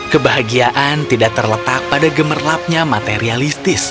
kebahagiaan tidak terletak pada gemerlapnya materialistis